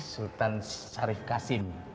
sultan syarif qasim